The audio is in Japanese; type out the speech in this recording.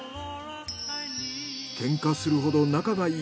けんかするほど仲がいい。